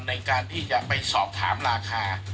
ในการที่จะไปสอบถามราคา